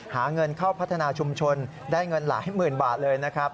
หาเงินเข้าพัฒนาชุมชนได้เงินหลายหมื่นบาทเลยนะครับ